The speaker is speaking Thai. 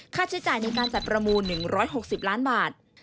ใช้จ่ายในการจัดประมูล๑๖๐ล้านบาท